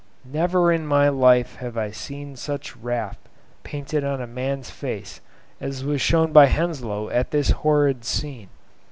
Never in my life have I seen such wrath painted on a man's face as was shown by Henslow at this horrid scene.